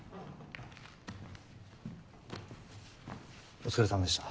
お疲れ様でした。